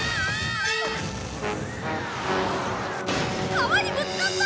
川にぶつかった。